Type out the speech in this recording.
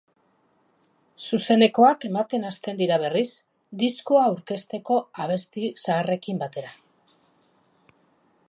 Zuzenekoak ematen hasten dira berriz diskoa aurkezteko abesti zaharrekin batera.